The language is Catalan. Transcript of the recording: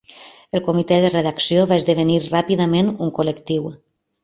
El "comitè de redacció" va esdevenir ràpidament un col·lectiu.